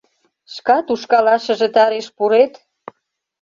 Шкат ушкалашыже тареш пурет!..